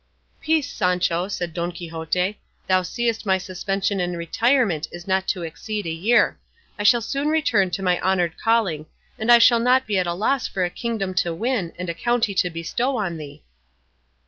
"Peace, Sancho," said Don Quixote; "thou seest my suspension and retirement is not to exceed a year; I shall soon return to my honoured calling, and I shall not be at a loss for a kingdom to win and a county to bestow on thee."